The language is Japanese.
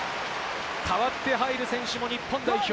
代わって入る選手も日本代表。